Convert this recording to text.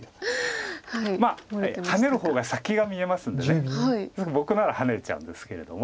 まあハネる方が先が見えますんで僕ならハネちゃうんですけれども。